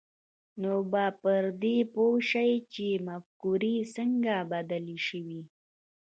نو به پر دې پوه شئ چې مفکورې څنګه بدلې شوې